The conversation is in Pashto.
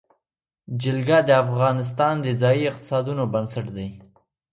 جلګه د افغانستان د ځایي اقتصادونو بنسټ دی.